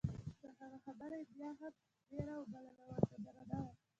د هغه خبره یې بیا هم میره وبلله او ورته درنه وه.